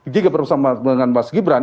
jika bersama dengan mas gibran